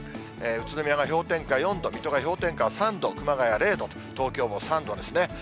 宇都宮が氷点下４度、水戸が氷点下３度、熊谷０度、東京も３度ですね。